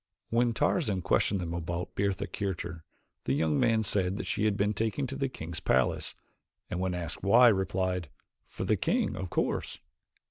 When Tarzan questioned them about Bertha Kircher, the young man said that she had been taken to the king's palace; and when asked why replied: "For the king, of course."